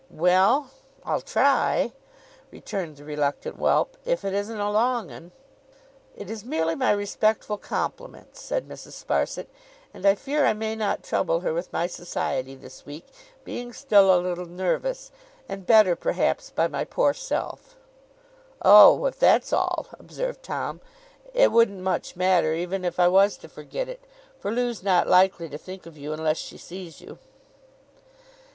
'Well? I'll try,' returned the reluctant whelp, 'if it isn't a long un.' 'It is merely my respectful compliments,' said Mrs. Sparsit, 'and I fear I may not trouble her with my society this week; being still a little nervous, and better perhaps by my poor self.' 'Oh! If that's all,' observed Tom, 'it wouldn't much matter, even if I was to forget it, for Loo's not likely to think of you unless she sees you.